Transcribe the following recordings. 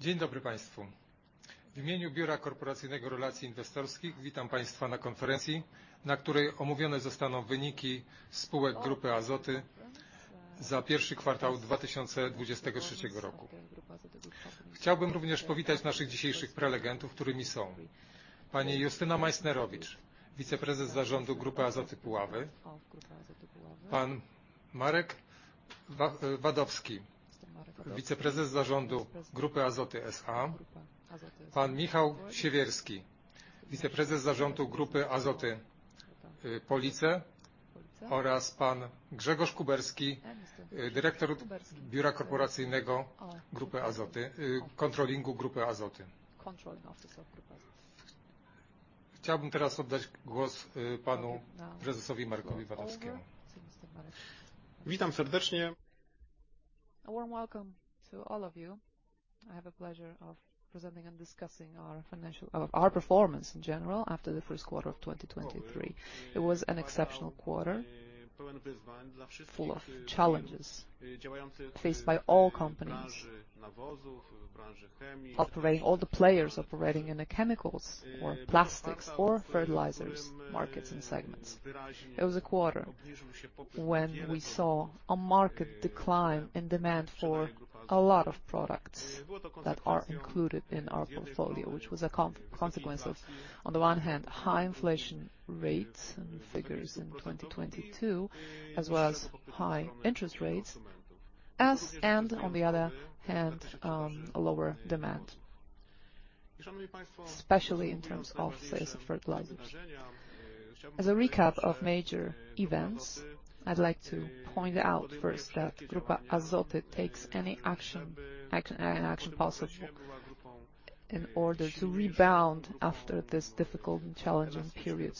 Dzień dobry państwu. W imieniu Biura Korporacyjnego Relacji Inwestorskich witam państwa na konferencji, na której omówione zostaną wyniki spółek Grupy Azoty za first quarter 2023. Chciałbym również powitać naszych dzisiejszych prelegentów, którymi są: pani Justyna Majsnerowicz, Wiceprezes Zarządu Grupy Azoty Puławy, pan Marek Wadowski, Wiceprezes Zarządu Grupy Azoty S.A., pan Michał Siewierski, Wiceprezes Zarządu Grupy Azoty Police oraz pan Grzegorz Kuberski, Dyrektor Kontrolingu Grupy Azoty. Chciałbym teraz oddać głos panu Prezesowi Markowi Wadowskiemu. Witam serdecznie. A warm welcome to all of you. I have a pleasure of presenting and discussing our performance in general, after the first quarter of 2023. It was an exceptional quarter, full of challenges faced by all the players operating in the chemicals or plastics or fertilizers markets and segments. It was a quarter when we saw a market decline in demand for a lot of products that are included in our portfolio, which was a consequence of, on the one hand, high inflation rates and figures in 2022, as well as high interest rates, as and on the other hand, a lower demand, especially in terms of sales of fertilizers. As a recap of major events, I'd like to point out first that Grupa Azoty takes any action possible in order to rebound after this difficult and challenging period,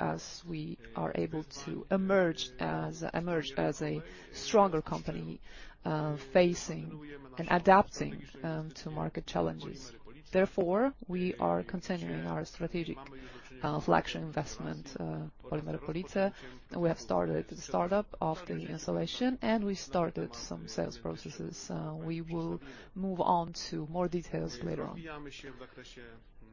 as we are able to emerge as a stronger company, facing and adapting to market challenges. We are continuing our strategic flagship investment, Polimery Police, and we have started the startup of the installation and we started some sales processes. We will move on to more details later on.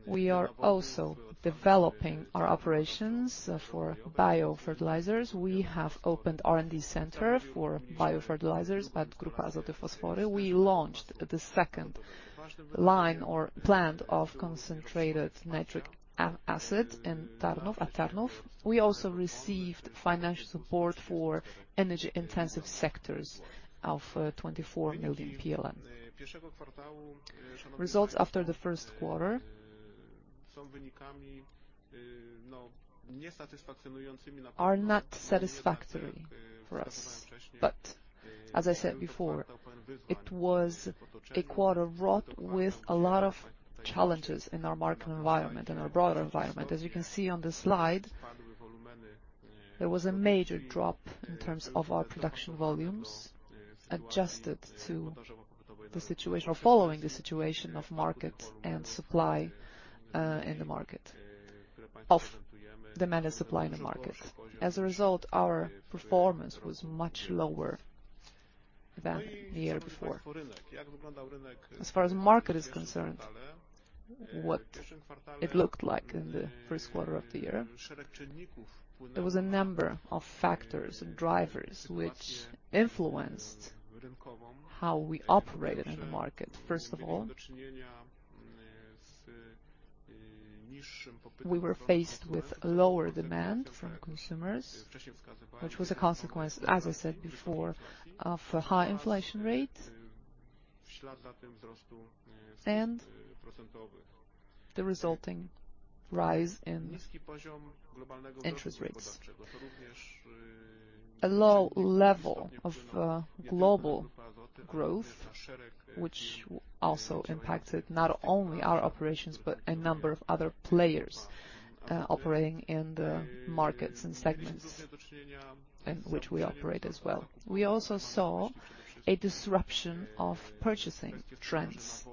We are also developing our operations for biofertilizers. We have opened R&D center for biofertilizers at Grupa Azoty Fosfory. We launched the second line or plant of concentrated nitric acid in Tarnów, at Tarnów. We also received financial support for energy-intensive sectors of 24 million PLN. Results after the first quarter are not satisfactory for us. As I said before, it was a quarter wrought with a lot of challenges in our market environment and our broader environment. As you can see on the slide, there was a major drop in terms of our production volumes, adjusted to the situation, or following the situation of market and supply, of demand and supply in the markets. As a result, our performance was much lower than the year before. As far as market is concerned, what it looked like in the first quarter of the year, there was a number of factors and drivers which influenced how we operated in the market. First of all, we were faced with lower demand from consumers, which was a consequence, as I said before, of high inflation rate and the resulting rise in interest rates. A low level of global growth, which also impacted not only our operations, but a number of other players operating in the markets and segments in which we operate as well. We also saw a disruption of purchasing trends,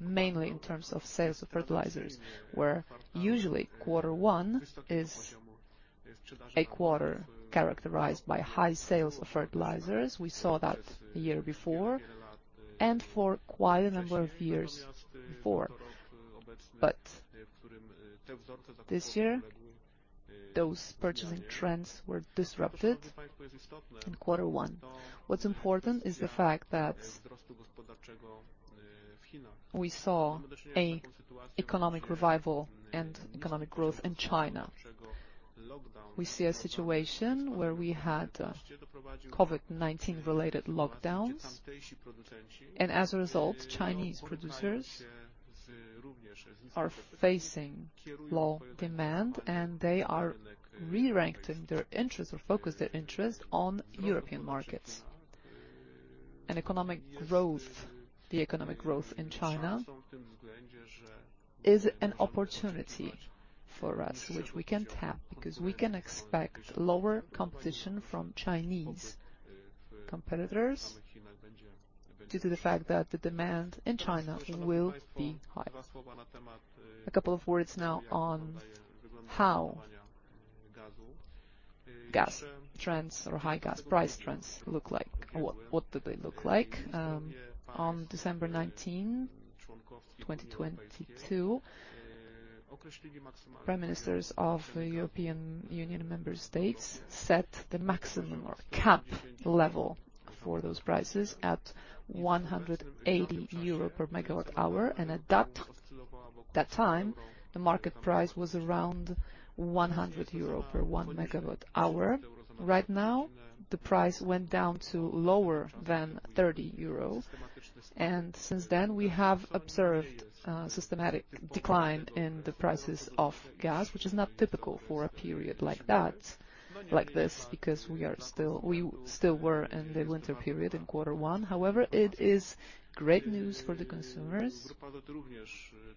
mainly in terms of sales of fertilizers, where usually quarter one is a quarter characterized by high sales of fertilizers. We saw that the year before and for quite a number of years before. This year, those purchasing trends were disrupted in quarter one. What's important is the fact that we saw a economic revival and economic growth in China. We see a situation where we had COVID-19 related lockdowns, and as a result, Chinese producers are facing low demand and they are re-ranking their interest or focus their interest on European markets. Economic growth, the economic growth in China is an opportunity for us which we can tap because we can expect lower competition from Chinese competitors due to the fact that the demand in China will be higher. A couple of words now on how gas trends or high gas price trends look like or what do they look like? On December 19, 2022, prime ministers of the European Union member states set the maximum or cap level for those prices at 180 euro per megawatt hour. At that time, the market price was around 100 euro per megawatt hour. Right now, the price went down to lower than 30 euros and since then we have observed a systematic decline in the prices of gas, which is not typical for a period like that, like this, because we still were in the winter period in quarter one. However, it is great news for the consumers.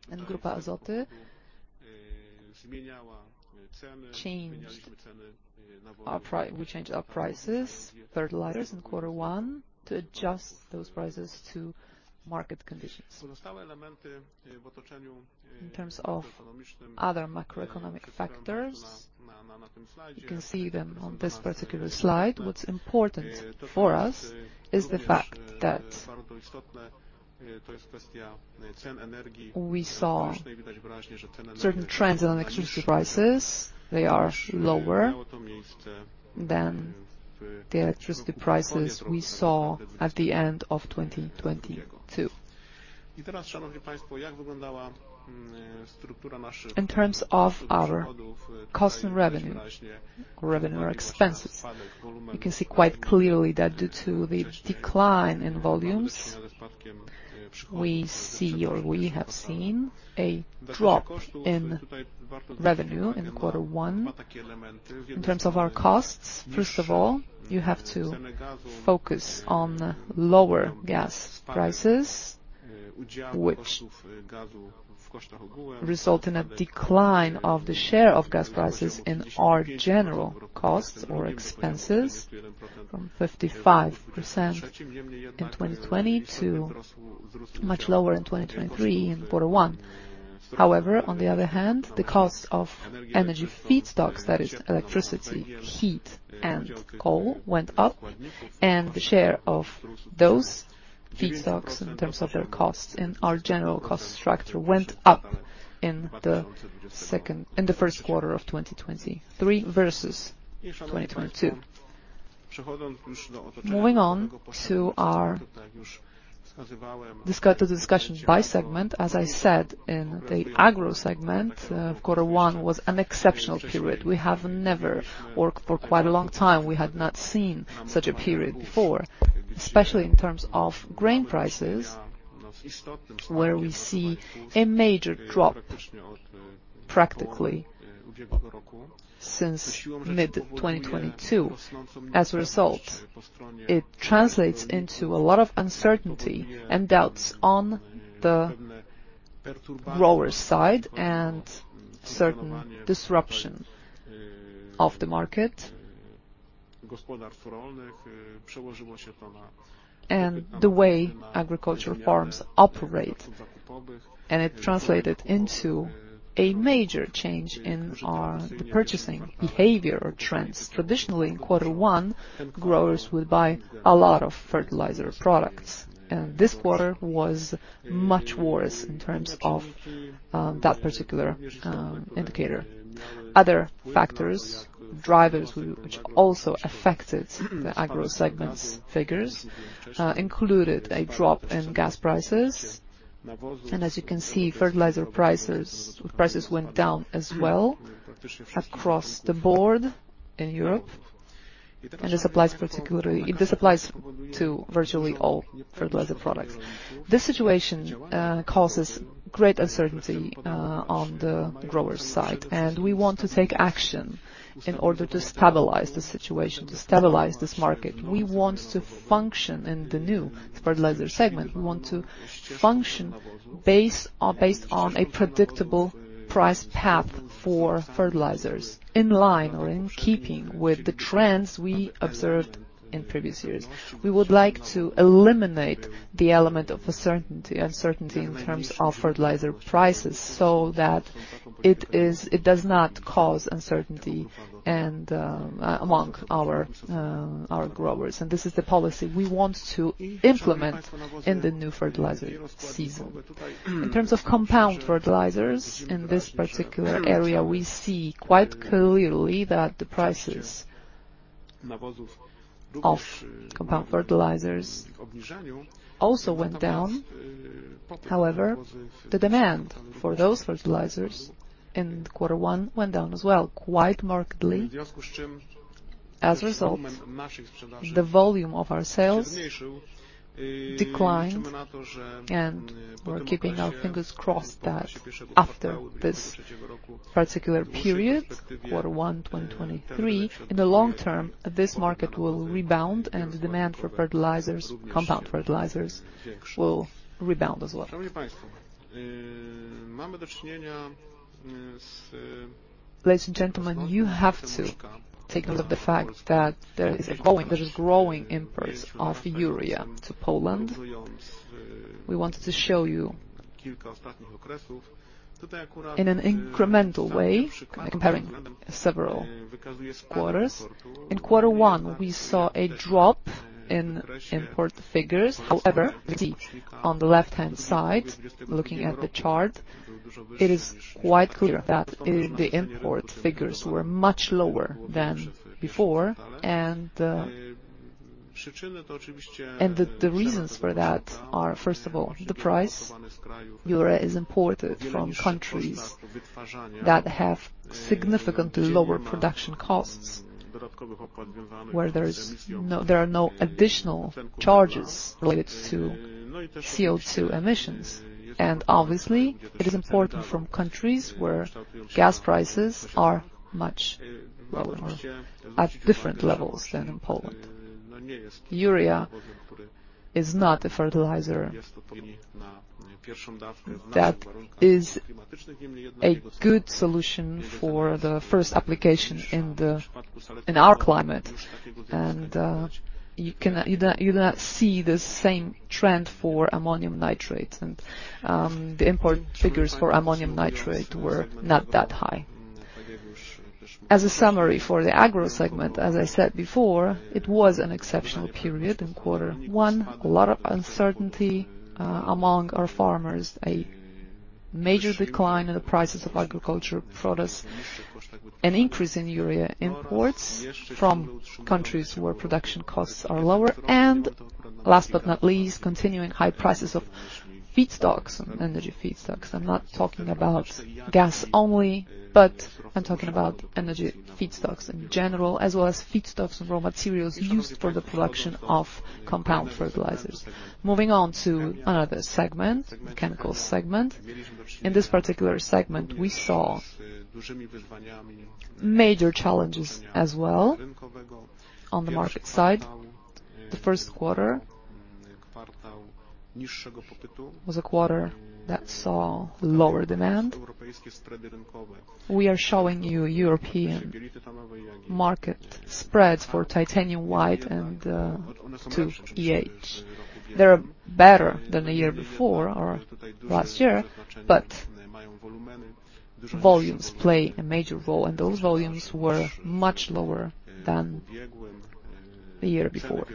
Grupa Azoty we changed our prices, fertilizers in quarter one to adjust those prices to market conditions. In terms of other macroeconomic factors, you can see them on this particular slide. What's important for us is the fact that we saw certain trends on electricity prices. They are lower than the electricity prices we saw at the end of 2022. In terms of our cost and revenue or expenses, you can see quite clearly that due to the decline in volumes, we see or we have seen a drop in revenue in the quarter one. In terms of our costs, first of all, you have to focus on the lower gas prices, which result in a decline of the share of gas prices in our general costs or expenses from 55% in 2020 to much lower in 2023 in quarter one. On the other hand, the cost of energy feedstocks, that is electricity, heat and coal, went up and the share of those feedstocks in terms of their costs and our general cost structure went up in the first quarter of 2023 versus 2022. Moving on to our discussion by segment. As I said, in the Agro Segment, quarter one was an exceptional period. We have never worked for quite a long time. We had not seen such a period before, especially in terms of grain prices, where we see a major drop practically since mid 2022. It translates into a lot of uncertainty and doubts on the grower's side and certain disruption of the market and the way agricultural farms operate. It translated into a major change in our, the purchasing behavior or trends. Traditionally, in quarter one, growers will buy a lot of fertilizer products, and this quarter was much worse in terms of that particular indicator. Other factors, drivers which also affected the Agro Segment's figures, included a drop in gas prices. As you can see, fertilizer prices went down as well across the board in Europe. This applies particularly. This applies to virtually all fertilizer products. This situation causes great uncertainty on the grower's side. We want to take action in order to stabilize the situation, to stabilize this market. We want to function in the new fertilizer segment. We want to function based on a predictable price path for fertilizers in line or in keeping with the trends we observed in previous years. We would like to eliminate the element of uncertainty in terms of fertilizer prices so that it does not cause uncertainty among our growers. This is the policy we want to implement in the new fertilizer season. In terms of compound fertilizers, in this particular area, we see quite clearly that the prices of compound fertilizers also went down. The demand for those fertilizers in quarter one went down as well, quite markedly. The volume of our sales declined, and we're keeping our fingers crossed that after this particular period, quarter one, 2023, in the long term, this market will rebound and the demand for fertilizers, compound fertilizers will rebound as well. Ladies and gentlemen, you have to take note of the fact that there is growing imports of urea to Poland. We wanted to show you. In an incremental way, comparing several quarters, in quarter one we saw a drop in import figures. You see on the left-hand side, looking at the chart, it is quite clear that the import figures were much lower than before. The reasons for that are, first of all, the price. Urea is imported from countries that have significantly lower production costs, where there are no additional charges related to CO2 emissions. Obviously, it is imported from countries where gas prices are much lower, at different levels than in Poland. Urea is not a fertilizer that is a good solution for the first application in the, in our climate. you do not see the same trend for ammonium nitrate. The import figures for ammonium nitrate were not that high. As a summary for the agro segment, as I said before, it was an exceptional period in quarter one. A lot of uncertainty among our farmers. A major decline in the prices of agriculture products. An increase in urea imports from countries where production costs are lower. Last but not least, continuing high prices of feedstocks, energy feedstocks. I'm not talking about gas only, but I'm talking about energy feedstocks in general, as well as feedstuffs and raw materials used for the production of compound fertilizers. Moving on to another segment, the chemicals segment. In this particular segment, we saw major challenges as well on the market side. The first quarter was a quarter that saw lower demand. We are showing you European market spreads for titanium white and TiO2. They're better than the year before or last year, but volumes play a major role, and those volumes were much lower than the year before.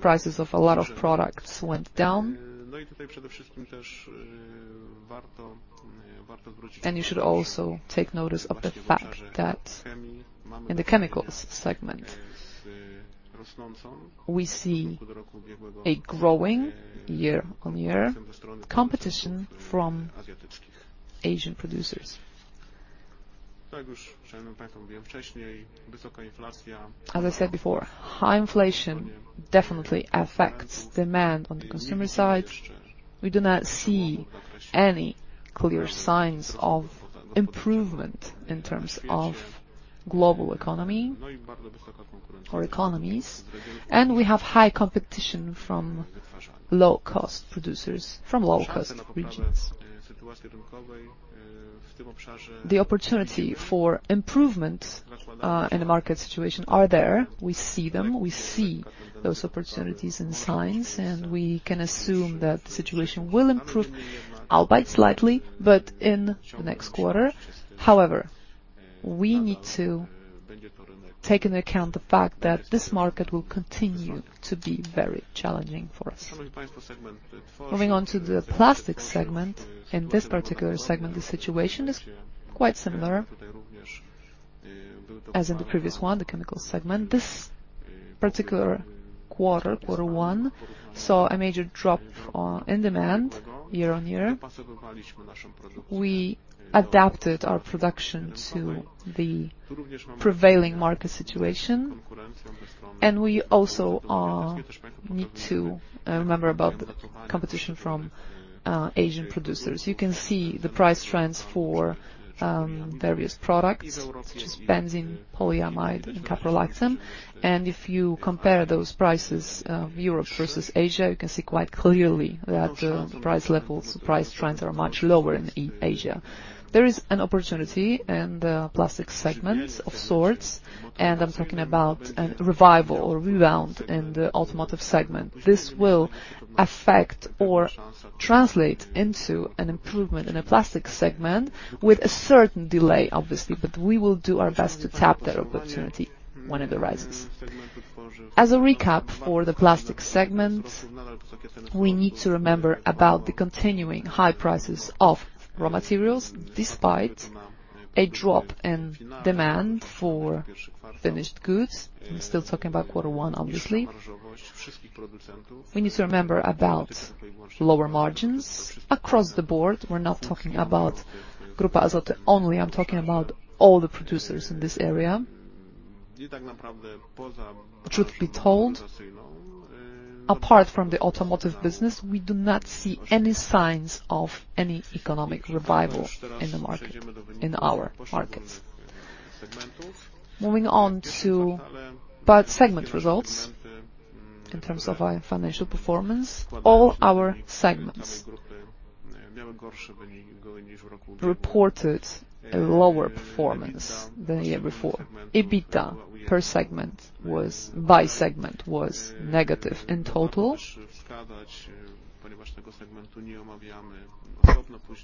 Prices of a lot of products went down. You should also take notice of the fact that in the chemicals segment we see a growing year-on-year competition from Asian producers. As I said before, high inflation definitely affects demand on the consumer side. We do not see any clear signs of improvement in terms of global economy or economies. We have high competition from low-cost producers, from low-cost regions. The opportunity for improvement in the market situation are there. We see those opportunities and signs. We can assume that the situation will improve, albeit slightly, but in the next quarter. However, we need to take into account the fact that this market will continue to be very challenging for us. Moving on to the plastics segment. In this particular segment, the situation is quite similar as in the previous one, the chemicals segment. This particular quarter one, saw a major drop in demand year-on-year. We adapted our production to the prevailing market situation, and we also need to remember about the competition from Asian producers. You can see the price trends for various products such as benzene, polyamide, and caprolactam. If you compare those prices, Europe versus Asia, you can see quite clearly that price levels, price trends are much lower in Asia. There is an opportunity in the plastic segment of sorts, and I'm talking about an revival or rebound in the automotive segment. This will affect or translate into an improvement in the plastic segment with a certain delay, obviously, but we will do our best to tap that opportunity when it arises. As a recap for the plastics segment, we need to remember about the continuing high prices of raw materials despite a drop in demand for finished goods. I'm still talking about quarter one, obviously. We need to remember about lower margins across the board. We're not talking about Grupa Azoty only, I'm talking about all the producers in this area. Truth be told, apart from the automotive business, we do not see any signs of any economic revival in the market, in our markets. Moving on to part segment results in terms of our financial performance. All our segments reported a lower performance than the year before. EBITDA per segment was negative in total.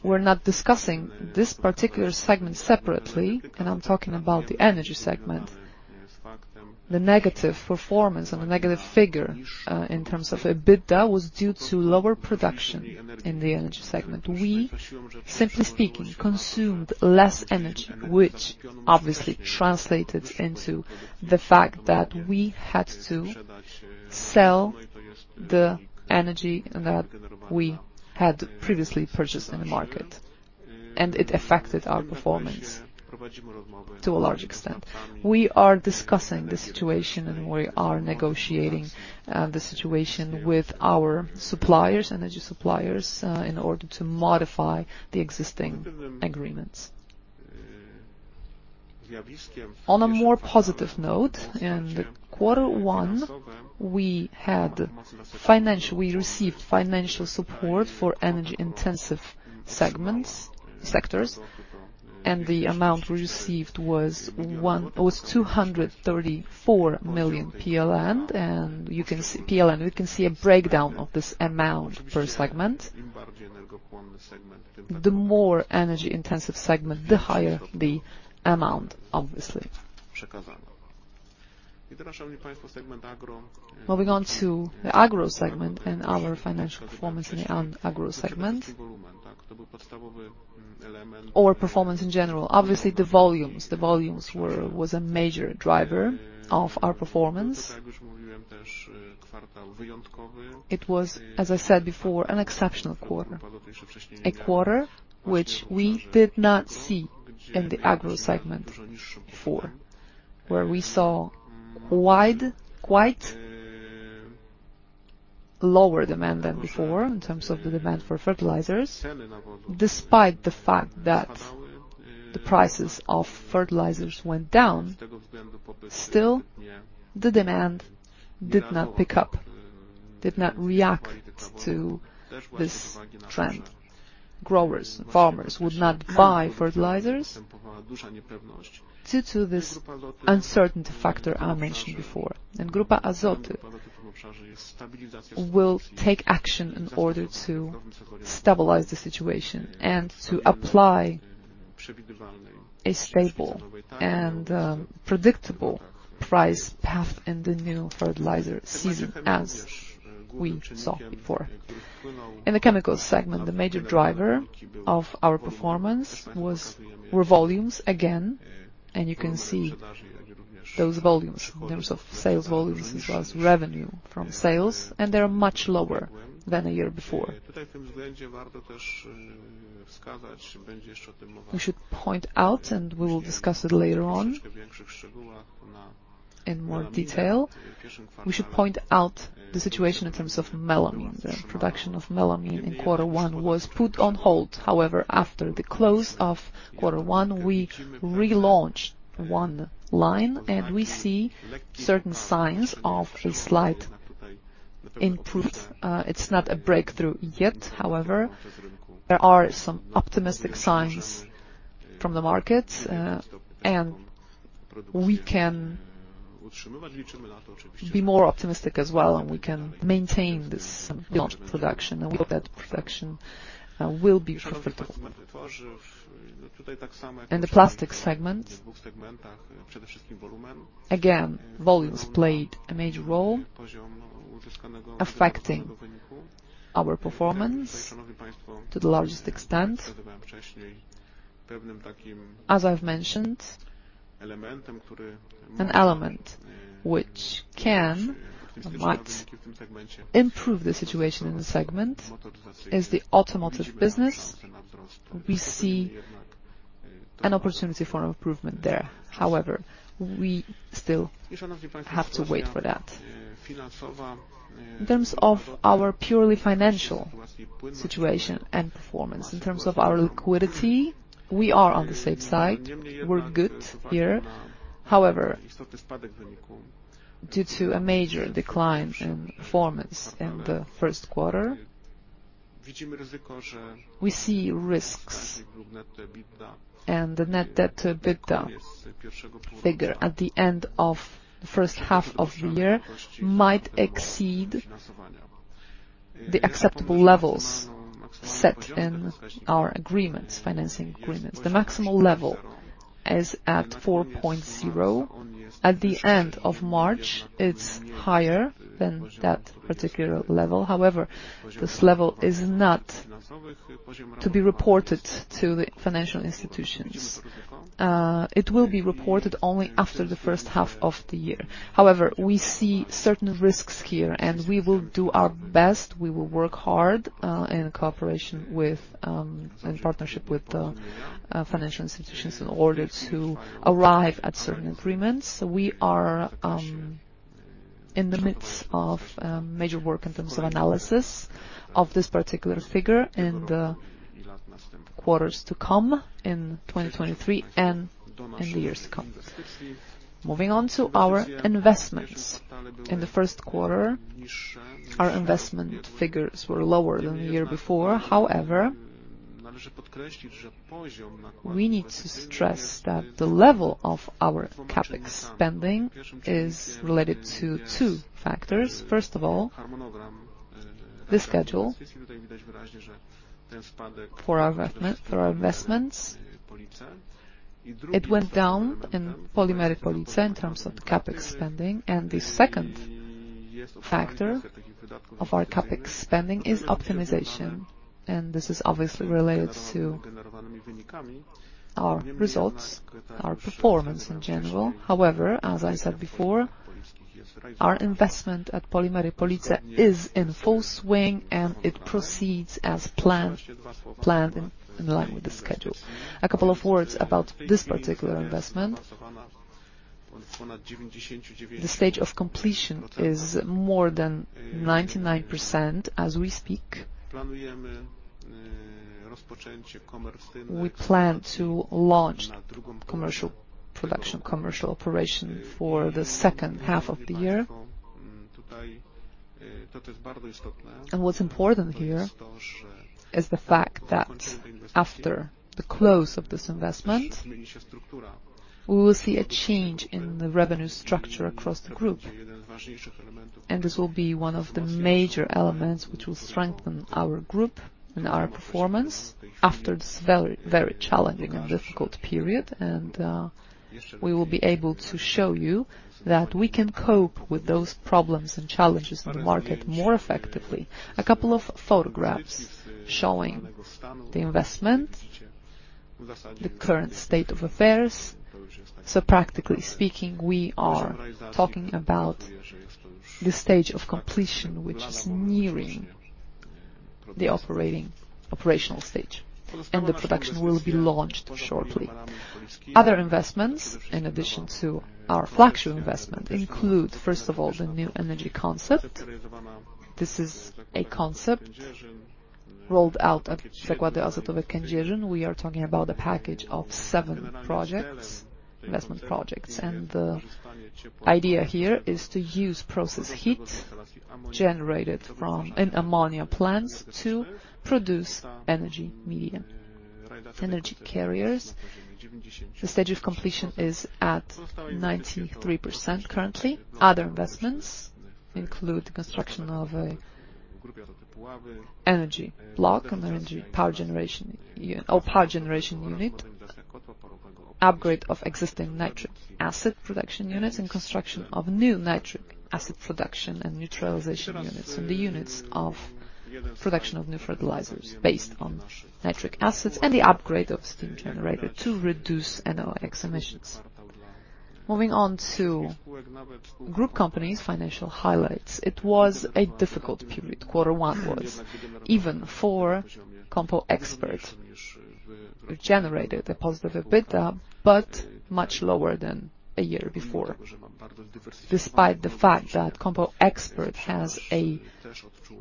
We're not discussing this particular segment separately, and I'm talking about the energy segment. The negative performance and the negative figure in terms of EBITDA was due to lower production in the energy segment. We, simply speaking, consumed less energy, which obviously translated into the fact that we had to sell the energy that we had previously purchased in the market, and it affected our performance to a large extent. We are discussing the situation, and we are negotiating the situation with our suppliers, energy suppliers, in order to modify the existing agreements. On a more positive note, in the Q1, we received financial support for energy-intensive segments, sectors, and the amount we received was 234 million PLN, and you can PLN. You can see a breakdown of this amount per segment. The more energy-intensive segment, the higher the amount, obviously. Moving on to the agro segment and our financial performance in the agro segment or performance in general, obviously the volumes were a major driver of our performance. It was, as I said before, an exceptional quarter. A quarter which we did not see in the agro segment before, where we saw wide, quite lower demand than before in terms of the demand for fertilizers. Despite the fact that the prices of fertilizers went down, still the demand did not pick up, did not react to this trend. Growers, farmers would not buy fertilizers due to this uncertainty factor I mentioned before. Grupa Azoty will take action in order to stabilize the situation and to apply a stable and predictable price path in the new fertilizer season, as we saw before. In the chemical segment, the major driver of our performance were volumes again, and you can see those volumes in terms of sales volumes as well as revenue from sales, and they're much lower than a year before. We should point out, we will discuss it later on in more detail, we should point out the situation in terms of melamine. The production of melamine in quarter one was put on hold. However, after the close of quarter one, we relaunched one line, we see certain signs of a slight improvement. It's not a breakthrough yet, however. There are some optimistic signs from the markets, we can be more optimistic as well, we can maintain this launch production, we hope that production will be profitable. In the plastic segment, again, volumes played a major role affecting our performance to the largest extent. As I've mentioned, an element which can or might improve the situation in the segment is the automotive business. We see an opportunity for improvement there. However, we still have to wait for that. In terms of our purely financial situation and performance, in terms of our liquidity, we are on the safe side. We're good here. However, due to a major decline in performance in the first quarter, we see risks, and the net debt to EBITDA figure at the end of the first half of the year might exceed the acceptable levels set in our agreements, financing agreements. The maximum level is at 4.0. At the end of March, it's higher than that particular level. However, this level is not to be reported to the financial institutions. It will be reported only after the first half of the year. However, we see certain risks here, and we will do our best. We will work hard in cooperation with, in partnership with the financial institutions in order to arrive at certain agreements. We are in the midst of major work in terms of analysis of this particular figure in the quarters to come in 2023 and in the years to come. Moving on to our investments. In the first quarter, our investment figures were lower than the year before. However. We need to stress that the level of our CapEx spending is related to two factors. First of all, the schedule for our investments, it went down in Polimery Police in terms of CapEx spending. The second factor of our CapEx spending is optimization, and this is obviously related to our results, our performance in general. However, as I said before, our investment at Polimery Police is in full swing, and it proceeds as planned in line with the schedule. A couple of words about this particular investment. The stage of completion is more than 99% as we speak. We plan to launch commercial production, commercial operation for the second half of the year. What's important here is the fact that after the close of this investment, we will see a change in the revenue structure across the group. This will be one of the major elements which will strengthen our group and our performance after this very, very challenging and difficult period. We will be able to show you that we can cope with those problems and challenges in the market more effectively. A couple of photographs showing the investment, the current state of affairs. Practically speaking, we are talking about the stage of completion, which is nearing the operating, operational stage, and the production will be launched shortly. Other investments, in addition to our flagship investment, include, first of all, the new energy concept. This is a concept rolled out at Kędzierzyn. We are talking about a package of seven projects, investment projects, and the idea here is to use process heat generated from, in ammonia plants to produce energy medium, energy carriers. The stage of completion is at 93% currently. Other investments include the construction of an energy block, a power generation unit, upgrade of existing nitric acid production units, and construction of new nitric acid production and neutralization units, and the units of production of new fertilizers based on nitric acids and the upgrade of steam generator to reduce NOx emissions. Moving on to group companies' financial highlights. It was a difficult period. Quarter one was. Even for COMPO EXPERT, we've generated a positive EBITDA, but much lower than a year before. Despite the fact that COMPO EXPERT has a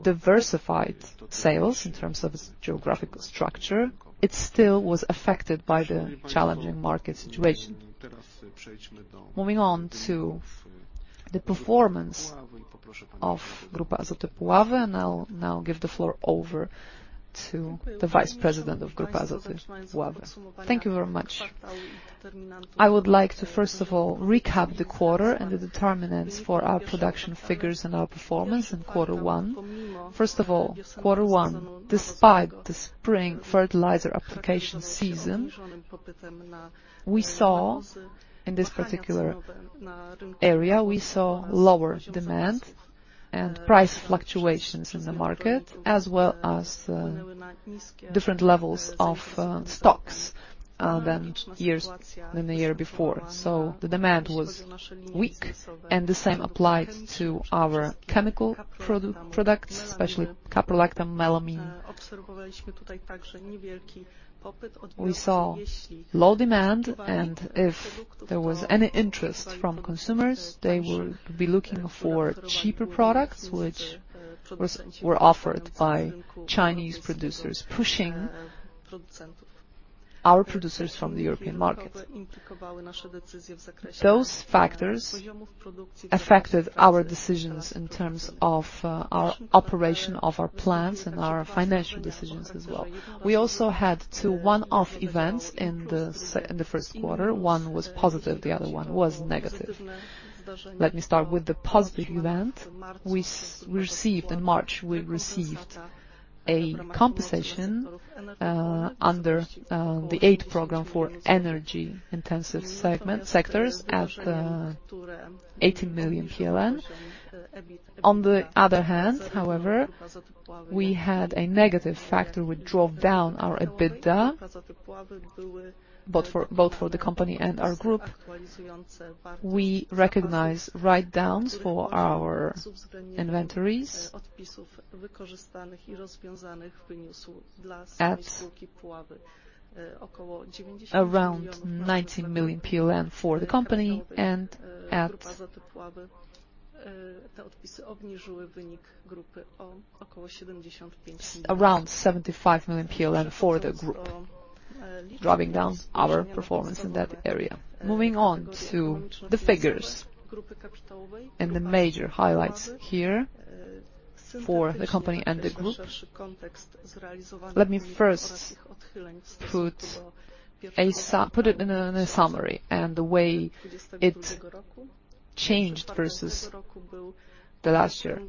diversified sales in terms of its geographical structure, it still was affected by the challenging market situation. Moving on to the performance of Grupa Azoty Puławy, I'll now give the floor over to the Vice-President of Grupa Azoty Puławy. Thank you very much. I would like to, first of all, recap the quarter and the determinants for our production figures and our performance in quarter one. First of all, quarter one, despite the spring fertilizer application season, we saw, in this particular area, we saw lower demand and price fluctuations in the market, as well as different levels of stocks than years, than the year before. The demand was weak and the same applied to our chemical products, especially caprolactam, melamine. We saw low demand, and if there was any interest from consumers, they would be looking for cheaper products, which were offered by Chinese producers, pushing our producers from the European markets. Those factors affected our decisions in terms of our operation of our plants and our financial decisions as well. We also had two one-off events in the first quarter. One was positive, the other one was negative. Let me start with the positive event. In March, we received a compensation under the aid program for energy-intensive segment, sectors at 80 million PLN. On the other hand, however, we had a negative factor which drove down our EBITDA, both for the company and our group. We recognized write-downs for our inventories at around 90 million PLN for the company and at around 75 million PLN for the group. Driving down our performance in that area. Moving on to the figures, and the major highlights here for the company and the group. Let me first put it in a summary, and the way it changed versus the last year.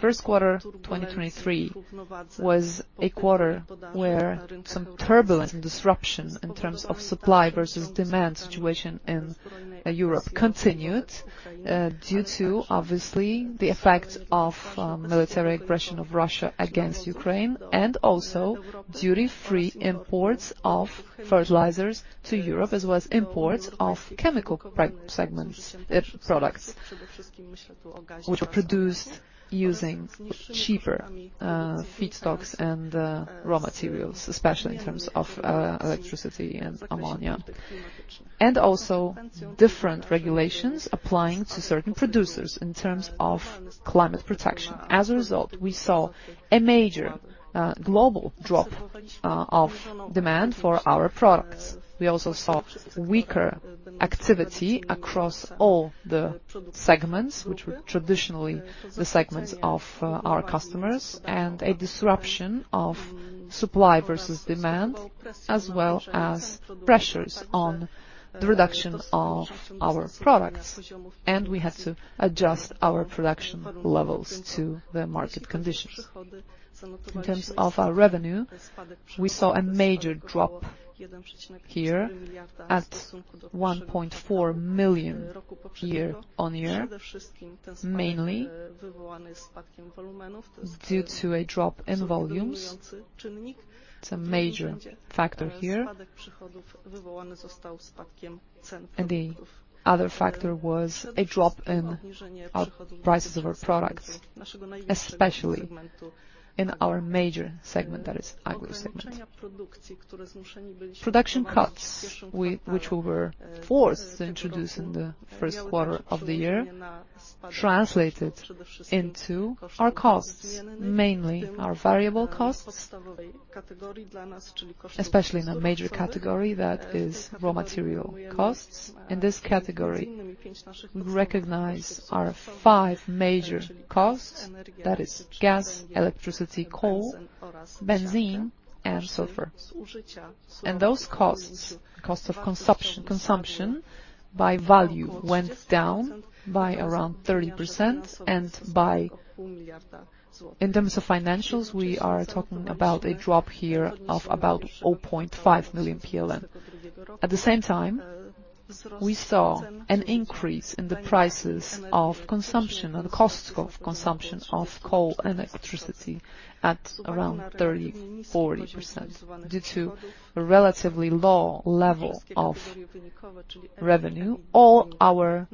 First quarter 2023 was a quarter where some turbulence and disruption in terms of supply versus demand situation in Europe continued due to, obviously, the effect of military aggression of Russia against Ukraine, and also duty-free imports of fertilizers to Europe, as well as imports of chemical segments, products which are produced using cheaper feedstocks and raw materials, especially in terms of electricity and ammonia. Also different regulations applying to certain producers in terms of climate protection. As a result, we saw a major global drop of demand for our products. We also saw weaker activity across all the segments, which were traditionally the segments of our customers, and a disruption of supply versus demand, as well as pressures on the reduction of our products, and we had to adjust our production levels to the market conditions. In terms of our revenue, we saw a major drop here at PLN 1.4 million year-on-year, mainly due to a drop in volumes. It's a major factor here. The other factor was a drop in our prices of our products, especially in our major segment, that is agro segment. Production cuts, which we were forced to introduce in the 1st quarter of the year, translated into our costs, mainly our variable costs, especially in a major category that is raw material costs. In this category, we recognize our 5 major costs, that is gas, electricity, coal, benzene and sulfur. Those costs of consumption by value went down by around 30% and by, in terms of financials, we are talking about a drop here of about 0.5 million PLN. At the same time, we saw an increase in the prices of consumption and the cost of consumption of coal and electricity at around 30%, 40% due to a relatively low level of revenue. All our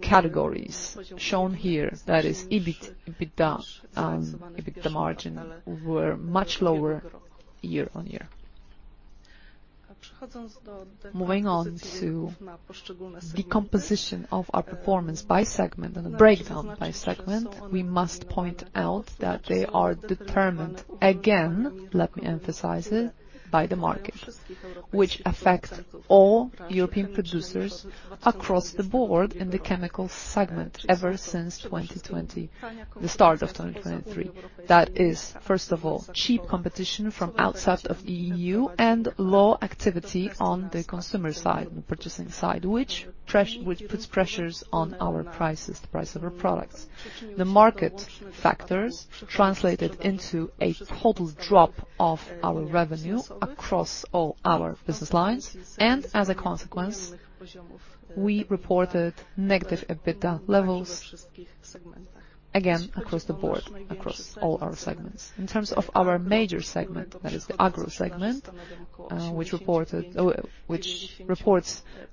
categories shown here, that is EBIT, EBITDA margin were much lower year-on-year. Moving on to the composition of our performance by segment and the breakdown by segment, we must point out that they are determined, again, let me emphasize it, by the market, which affect all European producers across the board in the chemical segment ever since 2020, the start of 2023. That is, first of all, cheap competition from outside of EU and low activity on the consumer side and purchasing side, which puts pressures on our prices, the price of our products. The market factors translated into a total drop of our revenue across all our business lines, and as a consequence, we reported negative EBITDA levels again across the board, across all our segments. In terms of our major segment, that is the agro segment, which reports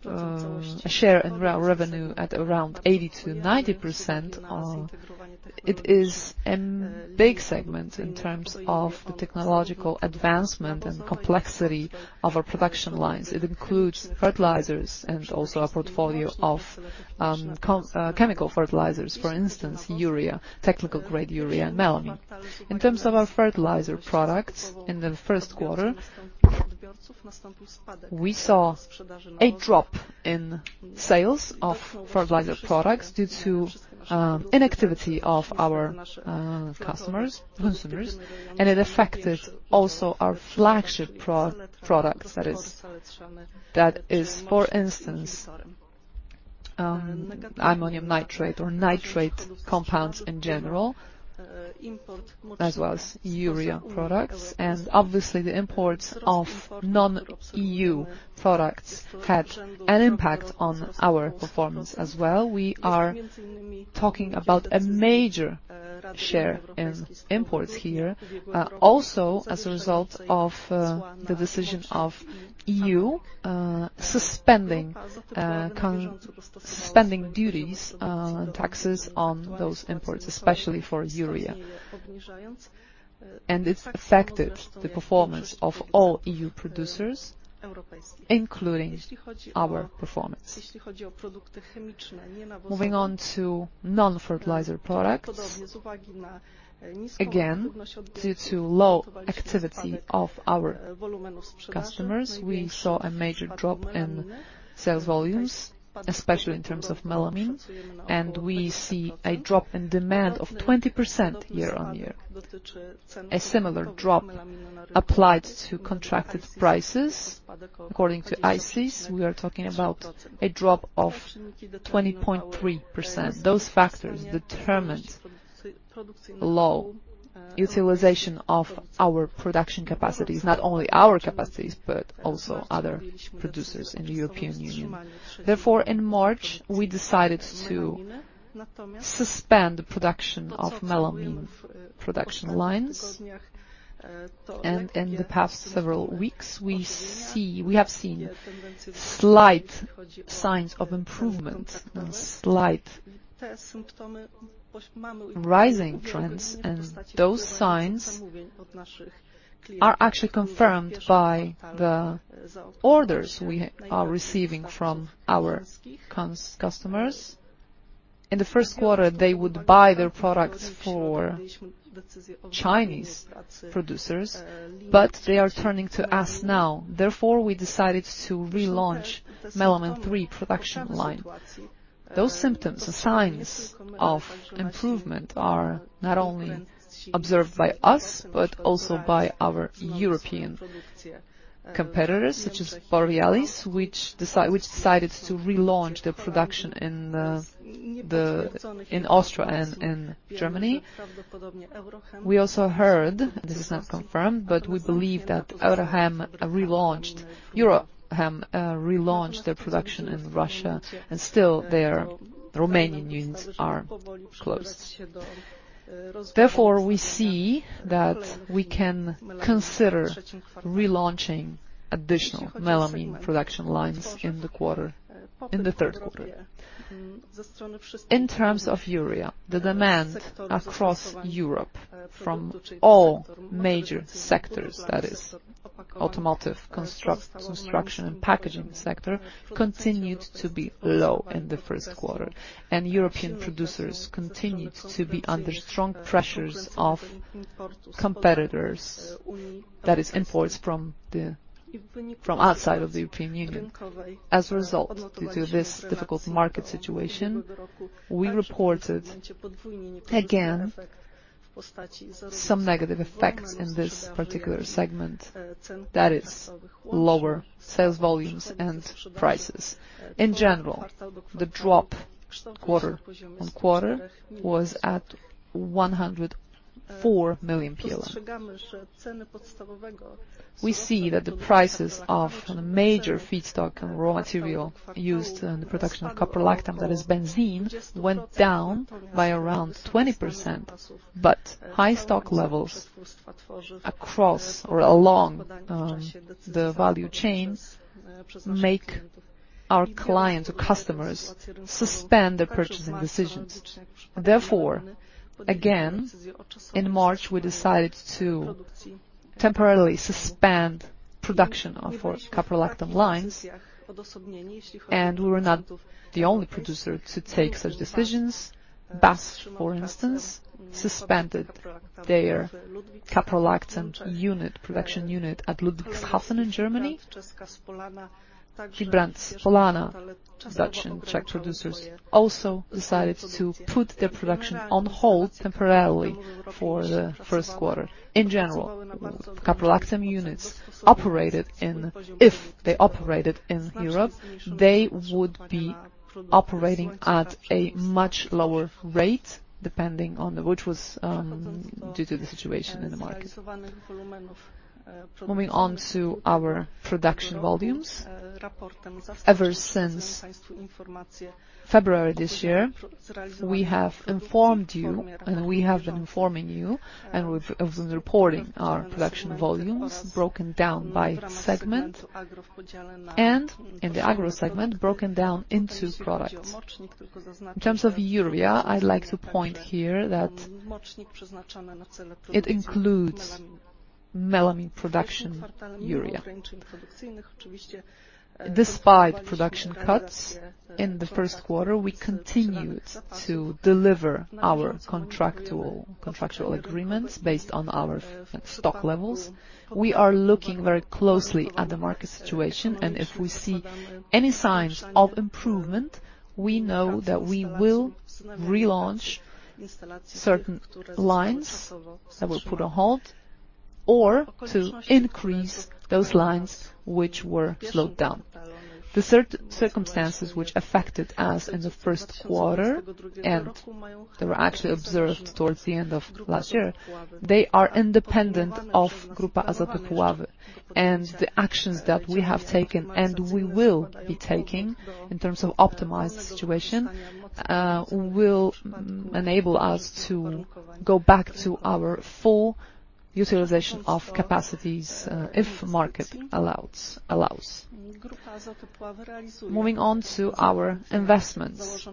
a share in re-revenue at around 80%-90%, it is a big segment in terms of the technological advancement and complexity of our production lines. It includes fertilizers and also a portfolio of chemical fertilizers, for instance, urea, technical grade urea and melamine. In terms of our fertilizer products, in the first quarter, we saw a drop in sales of fertilizer products due to inactivity of our customers, consumers, and it affected also our flagship products. That is, for instance, ammonium nitrate or nitrate compounds in general, as well as urea products. Obviously the imports of non-EU products had an impact on our performance as well. We are talking about a major share in imports here. Also, as a result of the decision of EU, suspending duties and taxes on those imports, especially for urea. It's affected the performance of all EU producers, including our performance. Moving on to non-fertilizer products. Again, due to low activity of our customers, we saw a major drop in sales volumes, especially in terms of melamine, and we see a drop in demand of 20% year-on-year. A similar drop applied to contracted prices. According to ICIS, we are talking about a drop of 20.3%. Those factors determined low utilization of our production capacities, not only our capacities, but also other producers in the European Union. In March, we decided to suspend the production of melamine production lines. In the past several weeks, we have seen slight signs of improvement and slight rising trends, those signs are actually confirmed by the orders we are receiving from our customers. In the first quarter, they would buy their products for Chinese producers, they are turning to us now. We decided to relaunch Melamine III production line. Those symptoms or signs of improvement are not only observed by us, but also by our European competitors, such as Borealis, which decided to relaunch their production in Austria and in Germany. We also heard, this is not confirmed, but we believe that EuroChem relaunched their production in Russia and still their Romanian units are closed. We see that we can consider relaunching additional melamine production lines in the quarter, in the third quarter. In terms of urea, the demand across Europe from all major sectors, that is automotive, construction and packaging sector, continued to be low in the first quarter. European producers continued to be under strong pressures of competitors. That is imports from the, from outside of the European Union. As a result, due to this difficult market situation, we reported again some negative effects in this particular segment, that is lower sales volumes and prices. In general, the drop quarter on quarter was at 104 million. We see that the prices of major feedstock and raw material used in the production of caprolactam, that is benzene, went down by around 20%. High stock levels across or along the value chains make our clients or customers suspend their purchasing decisions. Again, in March, we decided to temporarily suspend production of our caprolactam lines. We were not the only producer to take such decisions. BASF, for instance, suspended their caprolactam unit, production unit at Ludwigshafen in Germany. Fibrant, Spolana Dutch and Czech producers also decided to put their production on hold temporarily for the first quarter. In general, caprolactam units operated in, if they operated in Europe, they would be operating at a much lower rate, depending on which was due to the situation in the market. Moving on to our production volumes. Ever since February this year, we have informed you, we have been informing you, and we're reporting our production volumes broken down by segment and in the agro segment, broken down into products. In terms of urea, I'd like to point here that it includes melamine production urea. Despite production cuts in the first quarter, we continued to deliver our contractual agreements based on our stock levels. We are looking very closely at the market situation. If we see any signs of improvement, we know that we will relaunch certain lines that were put on hold or to increase those lines which were slowed down. Circumstances which affected us in the first quarter. They were actually observed towards the end of last year. They are independent of Grupa Azoty Puławy and the actions that we have taken and we will be taking in terms of optimized situation will enable us to go back to our full utilization of capacities if market allows. Moving on to our investments.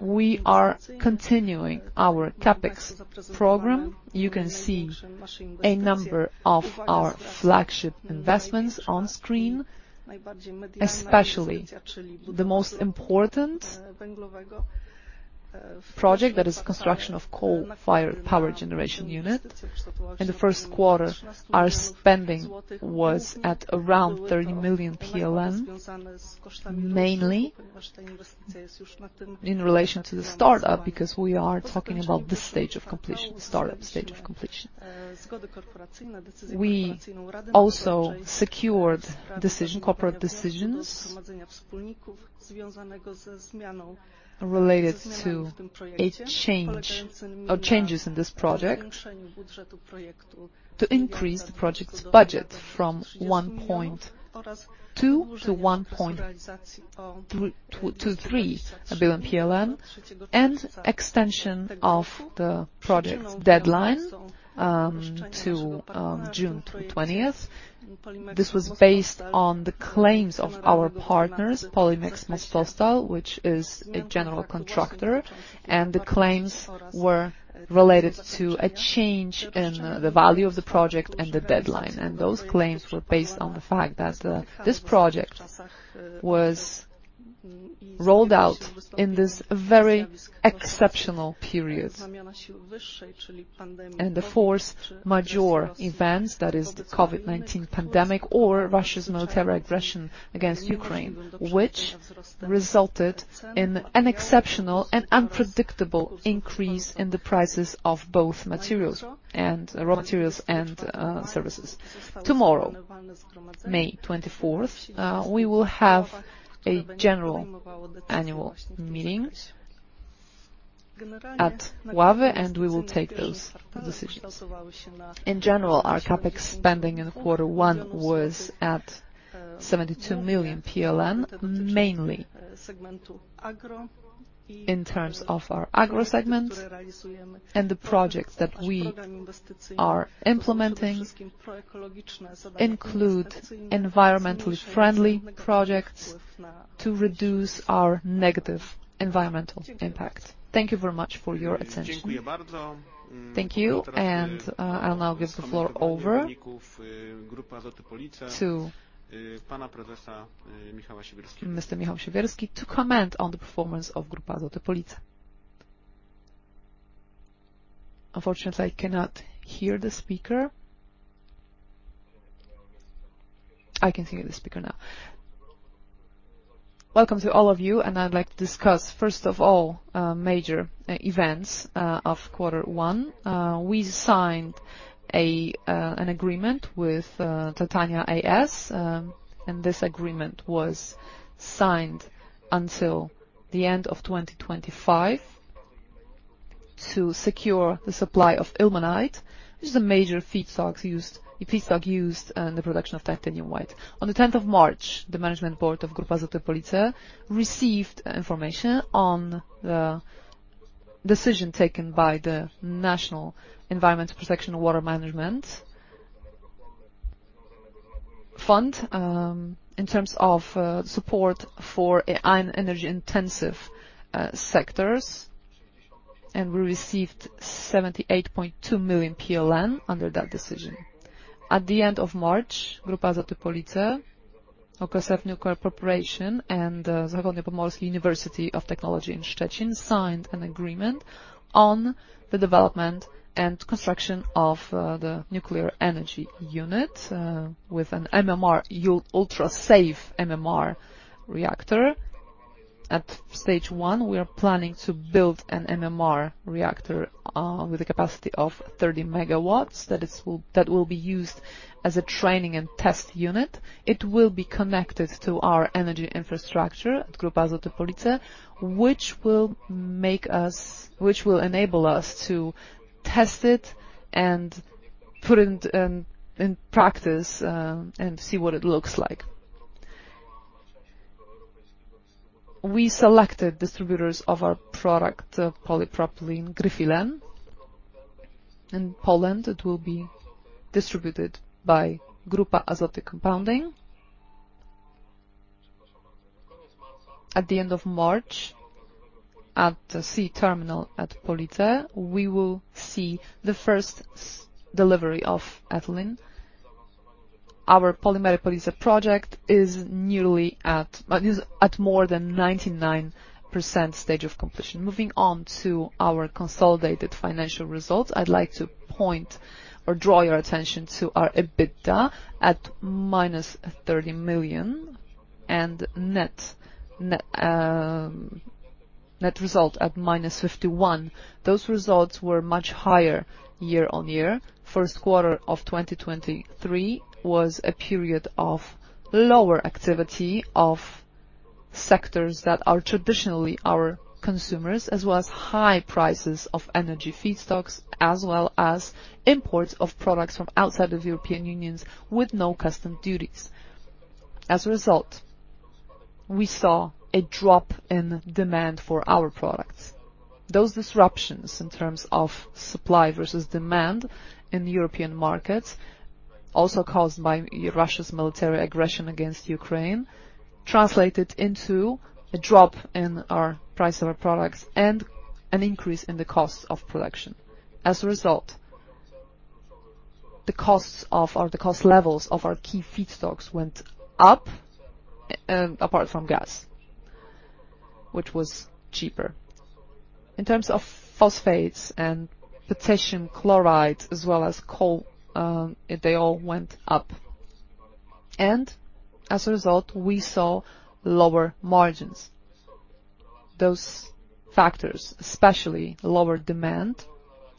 We are continuing our CapEx program. You can see a number of our flagship investments on screen, especially the most important project that is construction of coal-fired power generation unit. In the first quarter, our spending was at around 30 million, mainly in relation to the startup, because we are talking about this stage of completion, startup stage of completion. We also secured corporate decisions related to a change or changes in this project to increase the project's budget from 1.2 billion-1.23 billion PLN, and extension of the project deadline to June 20th. This was based on the claims of our partners, Polimex-Mostostal, which is a general contractor, and the claims were related to a change in the value of the project and the deadline. Those claims were based on the fact that this project was rolled out in this very exceptional period. The force majeure events, that is the COVID-19 pandemic or Russia's military aggression against Ukraine, which resulted in an exceptional and unpredictable increase in the prices of both materials and raw materials and services. Tomorrow, May 24th, we will have a general annual meeting at Pulawy, and we will take those decisions. In general, our CapEx spending in Q1 was at PLN 72 million, mainly in terms of our agro segment and the projects that we are implementing include environmentally friendly projects to reduce our negative environmental impact. Thank you very much for your attention. Thank you, and I'll now give the floor over to Mr. Michał Siewierski to comment on the performance of Grupa Azoty Police. Unfortunately, I cannot hear the speaker. I can hear the speaker now. Welcome to all of you. I'd like to discuss, first of all, major events of quarter one. We signed an agreement with TiZir Tyssedal. This agreement was signed until the end of 2025 to secure the supply of ilmenite, which is a major feedstock used in the production of titanium white. On the 10th of March, the management board of Grupa Azoty Police received information on the decision taken by the National Fund for Environmental Protection and Water Management in terms of support for on energy-intensive sectors. We received 78.2 million PLN under that decision. At the end of March, Grupa Azoty Police, Ultra Safe Nuclear Corporation, and West Pomeranian University of Technology signed an agreement on the development and construction of the nuclear energy unit with an ultrasafe MMR reactor. At stage 1, we are planning to build an MMR reactor with a capacity of 30 megawatts. That will be used as a training and test unit. It will be connected to our energy infrastructure at Grupa Azoty Police, which will enable us to test it and put it in practice and see what it looks like. We selected distributors of our product, polypropylene, Gryfilen®. In Poland, it will be distributed by Grupa Azoty Compounding. At the end of March, at the sea terminal at Police, we will see the first delivery of ethylene. Our Polimery Police project is nearly at, is at more than 99% stage of completion. Moving on to our consolidated financial results, I'd like to point or draw your attention to our EBITDA at minus 30 million and net result at minus 51. Those results were much higher year-on-year. First quarter of 2023 was a period of lower activity of sectors that are traditionally our consumers, as well as high prices of energy feedstocks, as well as imports of products from outside of European Union with no customs duties. As a result, we saw a drop in demand for our products. Those disruptions in terms of supply versus demand in European markets, also caused by Russia's military aggression against Ukraine, translated into a drop in our price of our products and an increase in the cost of production. The cost levels of our key feedstocks went up, apart from gas, which was cheaper. In terms of phosphates and potassium chloride, as well as coal, they all went up. As a result, we saw lower margins. Those factors, especially lower demand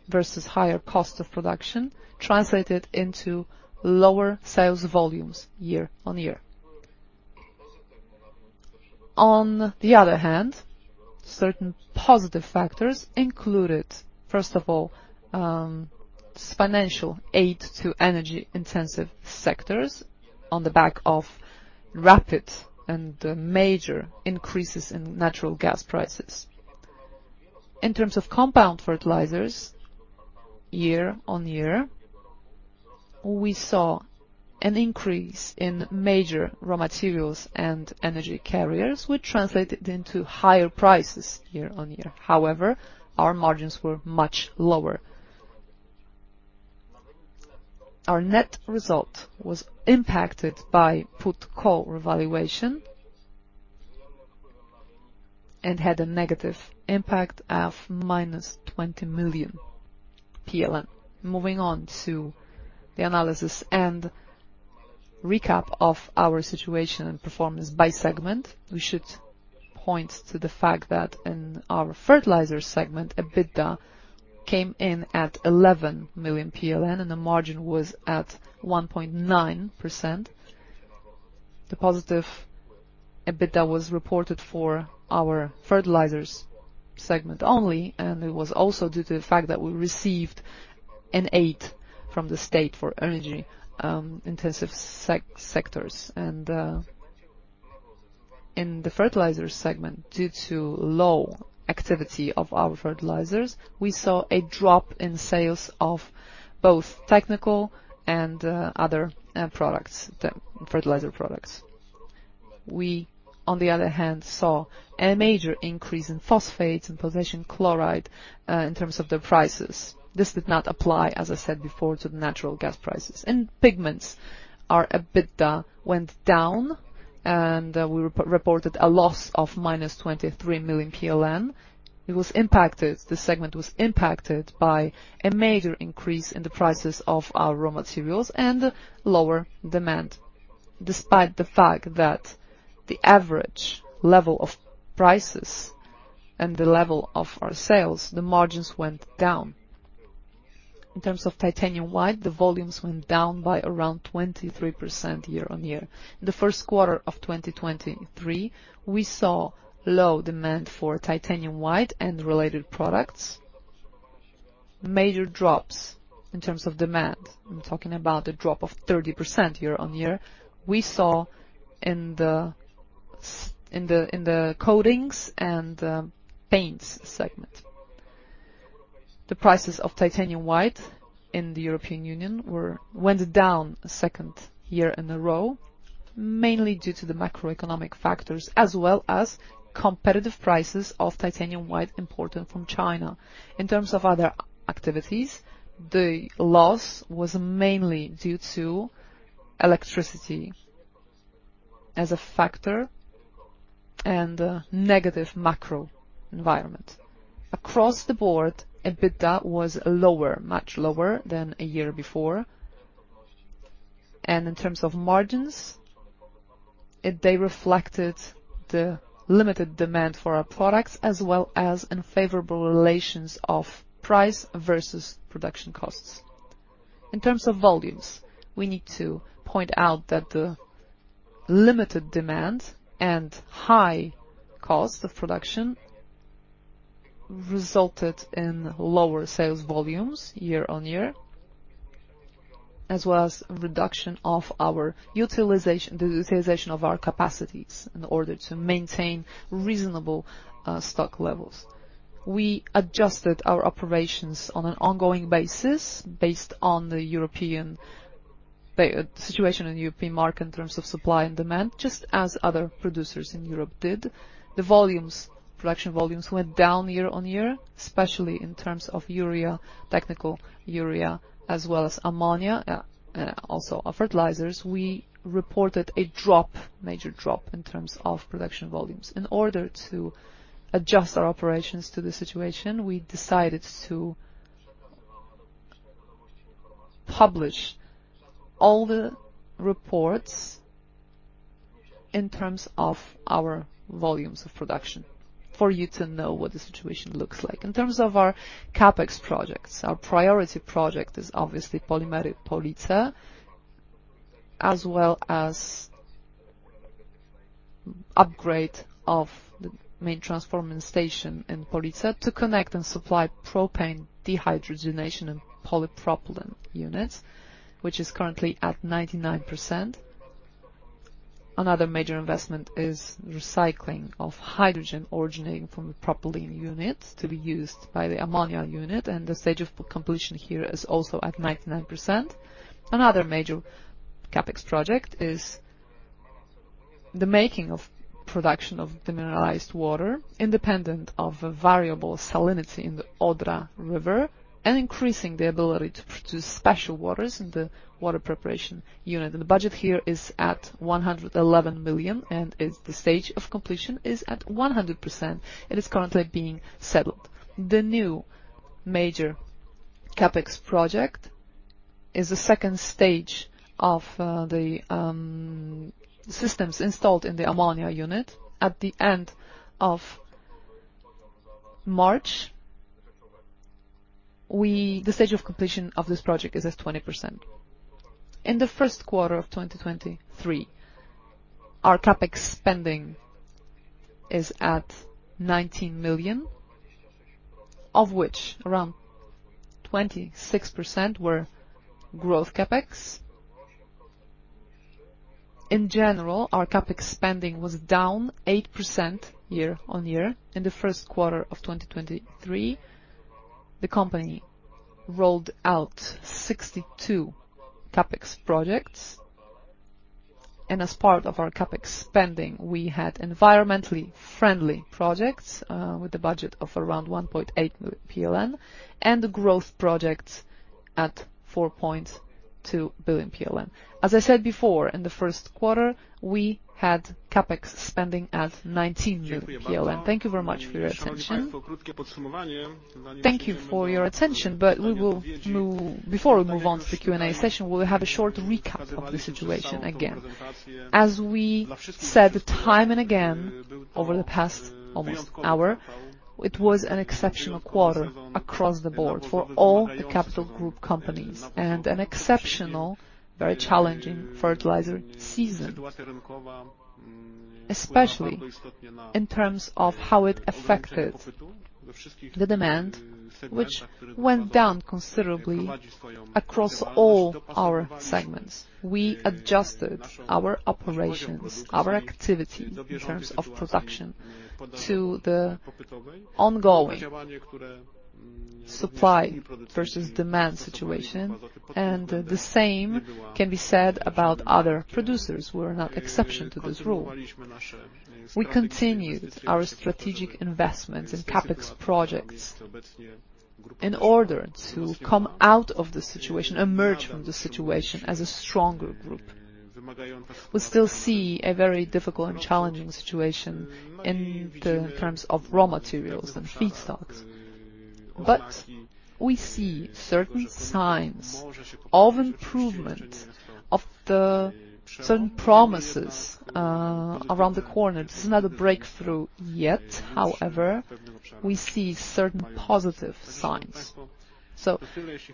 versus higher cost of production, translated into lower sales volumes year-on-year. On the other hand, certain positive factors included, first of all, financial aid to energy-intensive sectors on the back of rapid and major increases in natural gas prices. In terms of compound fertilizers, year-on-year, we saw an increase in major raw materials and energy carriers, which translated into higher prices year-on-year. Our margins were much lower. Our net result was impacted by put/call revaluation and had a negative impact of minus 20 million PLN. Moving on to the analysis and recap of our situation and performance by segment, we should point to the fact that in our fertilizer segment, EBITDA came in at 11 million PLN, and the margin was at 1.9%. The positive EBITDA was reported for our fertilizers segment only, and it was also due to the fact that we received an aid from the state for energy intensive sectors. In the fertilizers segment, due to low activity of our fertilizers, we saw a drop in sales of both technical and other products, the fertilizer products. We, on the other hand, saw a major increase in phosphates and potassium chloride in terms of the prices. This did not apply, as I said before, to the natural gas prices. In pigments, our EBITDA went down and we reported a loss of -23 million PLN. The segment was impacted by a major increase in the prices of our raw materials and lower demand. Despite the fact that the average level of prices and the level of our sales, the margins went down. In terms of titanium white, the volumes went down by around 23% year-on-year. The 1st quarter of 2023, we saw low demand for titanium white and related products. Major drops in terms of demand, I'm talking about the drop of 30% year-on-year, we saw in the coatings and paints segment. The prices of titanium white in the European Union went down a 2nd year in a row, mainly due to the macroeconomic factors as well as competitive prices of titanium white imported from China. In terms of other activities, the loss was mainly due to electricity as a factor and negative macro environment. Across the board, EBITDA was lower, much lower than a year before. In terms of margins, they reflected the limited demand for our products as well as unfavorable relations of price versus production costs. In terms of volumes, we need to point out that the limited demand and high cost of production resulted in lower sales volumes year-on-year, as well as reduction of our utilization, the utilization of our capacities in order to maintain reasonable stock levels. We adjusted our operations on an ongoing basis based on the European situation in European market in terms of supply and demand, just as other producers in Europe did. The volumes, production volumes went down year-over-year, especially in terms of urea, technical urea, as well as ammonia, also our fertilizers. We reported a major drop in terms of production volumes. In order to adjust our operations to the situation, we decided to publish all the reports in terms of our volumes of production for you to know what the situation looks like. In terms of our CapEx projects, our priority project is obviously Polimery Police, as well as upgrade of the main transforming station in Police to connect and supply propane dehydrogenation and polypropylene units, which is currently at 99%. Another major investment is recycling of hydrogen originating from the propylene units to be used by the ammonia unit. The stage of completion here is also at 99%. Another major CapEx project is the making of production of demineralized water independent of a variable salinity in the Odra River and increasing the ability to produce special waters in the water preparation unit. The budget here is at 111 million, and it's the stage of completion is at 100%. It is currently being settled. The new major CapEx project is the second stage of the systems installed in the ammonia unit at the end of March. The stage of completion of this project is at 20%. In the first quarter of 2023, our CapEx spending is at 19 million, of which around 26% were growth CapEx. In general, our CapEx spending was down 8% year-on-year. In the first quarter of 2023, the company rolled out 62 CapEx projects. As part of our CapEx spending, we had environmentally friendly projects with the budget of around 1.8 million PLN and the growth projects at 4.2 billion PLN. As I said before, in the first quarter, we had CapEx spending at 19 million. Thank you very much for your attention. Thank you for your attention. Before we move on to the Q&A session, we'll have a short recap of the situation again. As we said time and again over the past almost hour, it was an exceptional quarter across the board for all the capital group companies and an exceptional, very challenging fertilizer season, especially in terms of how it affected the demand, which went down considerably across all our segments. We adjusted our operations, our activity in terms of production to the ongoing supply versus demand situation, and the same can be said about other producers, we're not exception to this rule. We continued our strategic investments in CapEx projects in order to come out of this situation, emerge from this situation as a stronger group. We still see a very difficult and challenging situation in the terms of raw materials and feedstocks. We see certain signs of improvement of the certain promises around the corner. This is not a breakthrough yet, however, we see certain positive signs.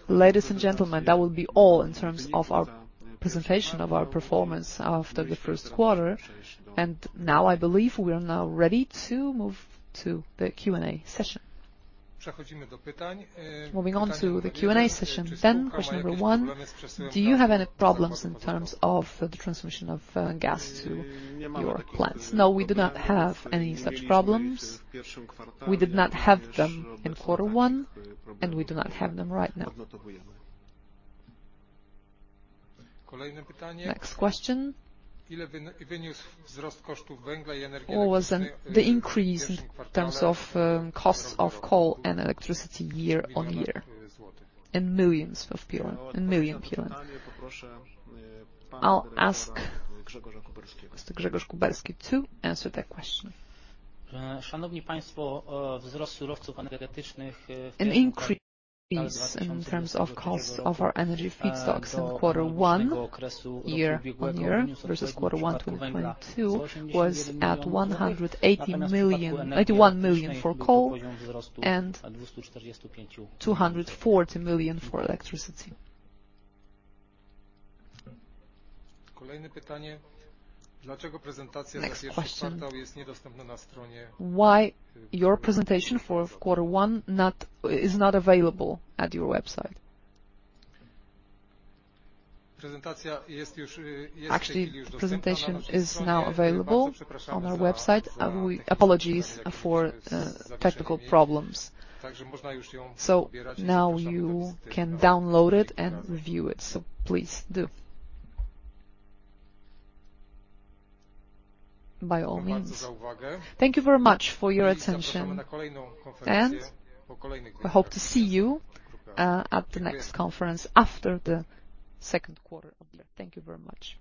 Ladies and gentlemen, that will be all in terms of our presentation of our performance after the first quarter. Now, I believe we are now ready to move to the Q&A session. Moving on to the Q&A session then, Question number one: Do you have any problems in terms of the transmission of gas to your plants? No, we do not have any such problems. We did not have them in Q1, and we do not have them right now. Next question: What was the increase in terms of costs of coal and electricity year-on-year in millions of PLN, in million PLN? I'll ask Mr. Grzegorz Kuberski to answer that question. An increase in terms of costs of our energy feedstocks in Q1 year-on-year versus Q1 2022 was at 181 million for coal and 240 million for electricity. Next question: Why your presentation for Q1 is not available at your website? Actually, the presentation is now available on our website. Apologies for technical problems. Now you can download it and view it, please do. By all means. Thank you very much for your attention. We hope to see you at the next conference after the second quarter of the year. Thank you very much.